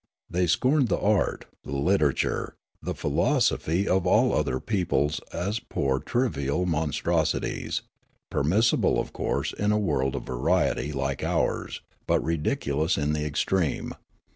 They scorned the art, the literature, the philo sophy of all other peoples as poor trivial monstrosi ties, permissible, of course, in a world of variety like ours, but ridiculous in the extreme.